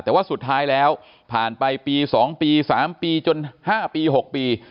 แต่ว่าสุดท้ายแล้วผ่านไปปี๒ปี๓ปีจน๕ปี๖ปี